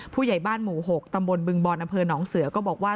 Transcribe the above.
ผู้ใหญ่บ้านหมู่๖ตำบลบึงบอลอำเภอหนองเสือก็บอกว่า